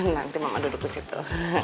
nanti mama duduk di situ